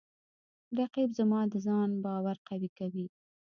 رقیب زما د ځان باور قوی کوي